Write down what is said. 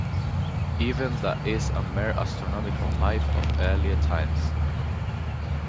Even that is a mere astronomical myth of earlier times.